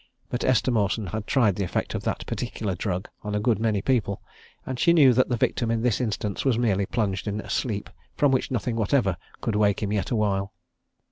But Esther Mawson had tried the effect of that particular drug on a good many people, and she knew that the victim in this instance was merely plunged in a sleep from which nothing whatever could wake him yet awhile.